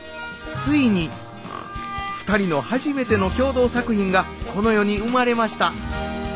ついに２人の初めての共同作品がこの世に生まれました。